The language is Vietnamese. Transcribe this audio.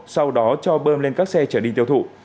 sau đó cho bơm lên các xe trở đi tiêu thụ